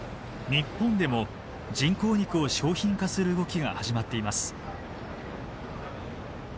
日本でも人工肉を商品化する動きが始まっています。